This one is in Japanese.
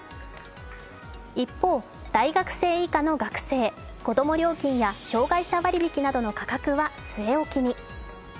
一方、大学生以下の学生、子供料金や障がい者割引などの価格は据え置きに。